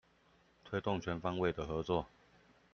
推動全方位的合作